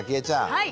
はい。